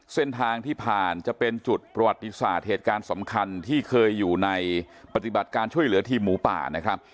เส้นทางที่ผ่านจะเป็นจุดประวัติศาสตร์เหตุการณ์สำคัญที่เคยอยู่ในปฏิบัติการช่วยเหลือทีมหมูป่านะครับ